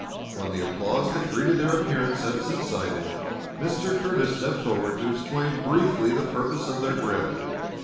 When the applause that greeted their appearance had subsided, Mr. Curtis stepped forward to explain briefly the purpose of their drill.